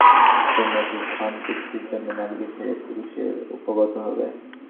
তোমরা কি কাম-তৃপ্তির জন্যে নারীকে ছেড়ে পুরুষে উপগত হবে?